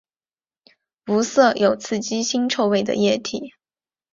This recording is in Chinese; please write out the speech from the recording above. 无色有刺激腥臭味的液体。